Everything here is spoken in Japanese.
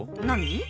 何？